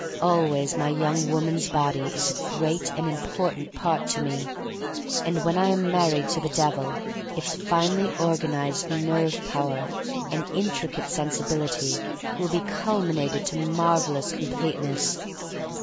Always my young woman*s body is a great and important part of me, and when I am married to the Devil its finely organized nerve power and intri cate sensibility will be culminated to marvelous completeness.